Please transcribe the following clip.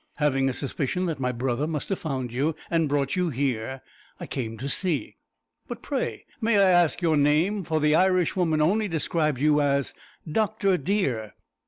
Having a suspicion that my brother must have found you and brought you here, I came to see. But pray, may I ask your name, for the Irish woman only describes you as `Doctor, dear!'"